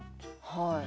「はい」。